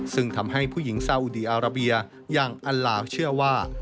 ซึ่งทำให้ผู้หญิงซาอุดีอาราเบียอย่างอันลาวเชื่อว่า